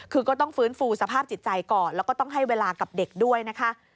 คือก็ต้องฟื้นฟูสภาพจิตใจก่อนแล้วก็ต้องให้เวลากับเด็กด้วยนะคะ